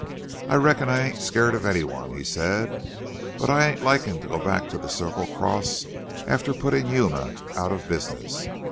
"I reckon I ain't scared of anyone," he said, "but I ain't likin' to go back to the Circle Cross after puttin' Yuma out of business.